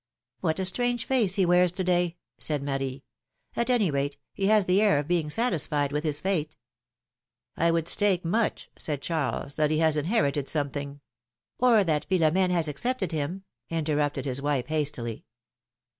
^^What a strange face he wears to day!'' said Marie; ^^at any rate, he has the air of being satisfied with his fate." 96 philomI:ne's marriages. ''I would stake muck/' said Charles, ''that he has inherited something —" "Or that Philomdne has accepted him/' interrupted his wife, hastily.